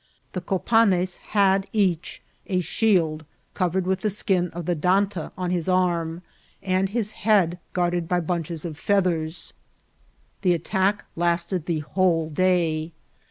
The Copanes had each a shield covered with the skin of the danta on his arm, and his head guarded by bunches of feathers. The attack lasted the whole day.